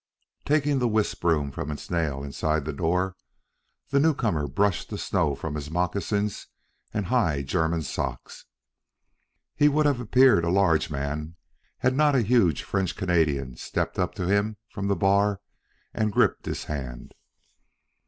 Taking the wisp broom from its nail inside the door, the newcomer brushed the snow from his moccasins and high German socks. He would have appeared a large man had not a huge French Canadian stepped up to him from the bar and gripped his hand.